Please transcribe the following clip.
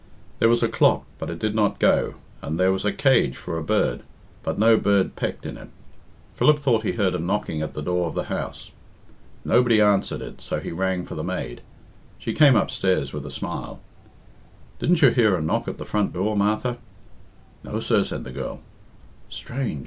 There was a clock, but it did not go; and there was a cage for a bird, but no bird pecked in it, Philip thought he heard a knocking at the door of the house. Nobody answered it, so he rang for the maid. She came upstairs with a smile. "Didn't you hear a knock at the front door, Martha?" "No, sir," said the girl. "Strange!